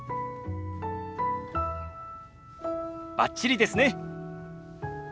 バッチリですね！